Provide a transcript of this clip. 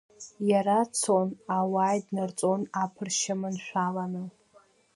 Иара цон, ауаа иднарҵон аԥрышьа маншәалан.